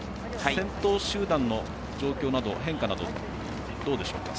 先頭集団の状況、変化などどうでしょうか？